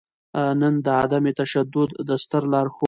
نــن د عـدم تـشدود د ســتــر لارښــود